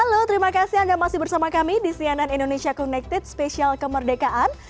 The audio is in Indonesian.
halo terima kasih anda masih bersama kami di cnn indonesia connected spesial kemerdekaan